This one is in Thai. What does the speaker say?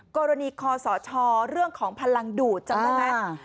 กรณีคอสชเรื่องของพลังดูดจำได้ไหม